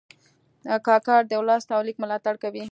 کاکړ د لوست او لیک ملاتړ کوي.